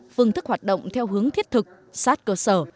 phương thức hoạt động theo hướng thiết thực sát cơ sở